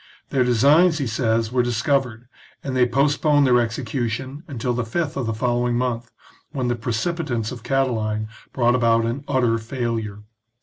Their designs, he says, were discovered, and they postponed their execution until the fifth of the following month, when the precipitance of Catiline brought about an utter failure.